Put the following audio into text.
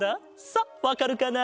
さあわかるかな？